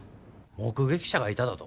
「目撃者がいた」だと？